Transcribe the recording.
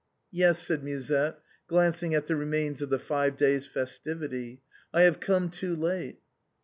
" Yes," said Musette, glancing at the remains of the five days' festivity, " I have come too late."